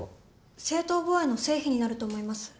正当防衛の成否になると思います。